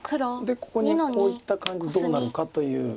でここにこういった感じどうなるかという。